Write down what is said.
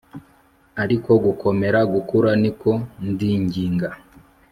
ariko gukomera gukura niko ndinginga